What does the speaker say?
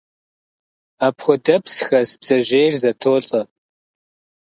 Апхуэдэпс хэс бдзэжьейр зэтолӀэ.